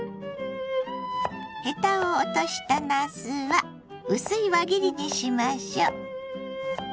ヘタを落としたなすは薄い輪切りにしましょう。